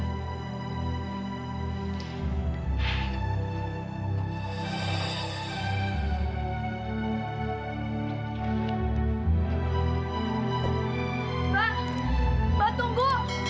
mbak mbak tunggu